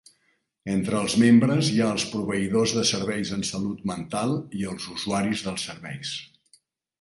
Entres els membres hi ha els proveïdors de serveis en Salut Mental i els usuaris dels serveis.